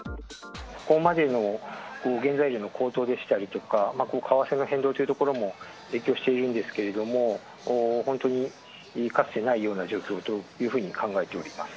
ここまでの原材料の高騰でしたりとか、為替の変動というところも影響しているんですけれども、本当にかつてないような状況というふうに考えております。